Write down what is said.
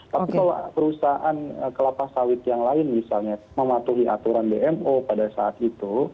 tapi kalau perusahaan kelapa sawit yang lain misalnya mematuhi aturan dmo pada saat itu